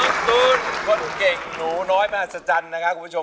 น้องตุ๋นคนเก่งหนูน้อยมากสัจจันทร์นะคะคุณผู้ชม